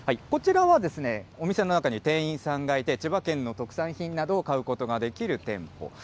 こちらは、お店の中に店員さんがいて、千葉県の特産品などを買うことができる店舗。